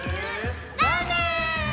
ラーメン！」